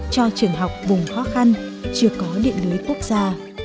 cho trường học vùng khó khăn chưa có điện lưới quốc gia